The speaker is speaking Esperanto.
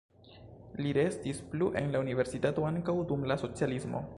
Li restis plu en la universitato ankaŭ dum la socialismo.